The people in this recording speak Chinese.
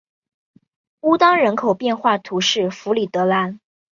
乌当人口变化图示弗里德兰